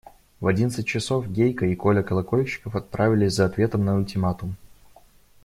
В одиннадцать часов Гейка и Коля Колокольчиков отправились за ответом на ультиматум.